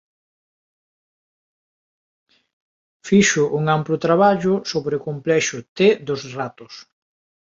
Fixo un amplo traballo sobre o complexo t dos ratos.